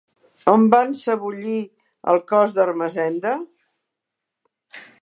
On van sebollir el cos d'Ermessenda?